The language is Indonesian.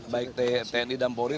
baik tni dan polri